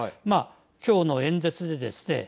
今日の演説でですね